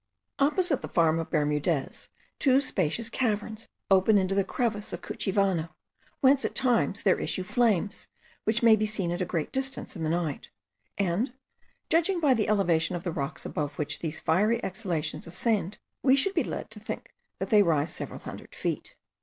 Opposite the farm of Bermudez, two spacious caverns open into the crevice of Cuchivano, whence at times there issue flames, which may be seen at a great distance in the night; and, judging by the elevation of the rocks, above which these fiery exhalations ascend, we should be led to think that they rise several hundred feet.